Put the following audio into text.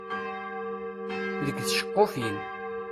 Deg tceqqufin.